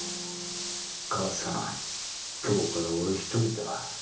母さん、今日から俺１人だ。